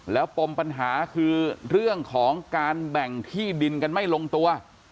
แล้วปมปัญหาคือเรื่องของการแบ่งที่ดินกันไม่ลงตัว